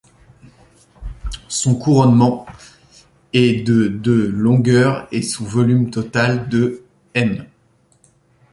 Son couronnement est de de longueur et son volume total de m.